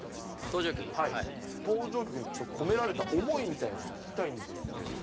登場曲に込められた思いみたいなの、ちょっと聞きたいんですけど。